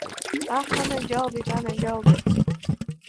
Аҳ, анаџьалбеит, анаџьалбеит.